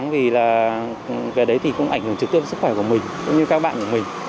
về đấy thì cũng ảnh hưởng trực tiếp sức khỏe của mình cũng như các bạn của mình